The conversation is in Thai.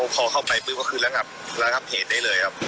พอเข้าไปก็คือระงับเหตุได้เลยครับ